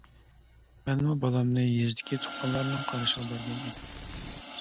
مەنمۇ بالامنى يېزىدىكى تۇغقانلارنىڭ قارىشىغا بەرگەن ئىدىم.